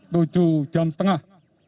tujuh jam setengah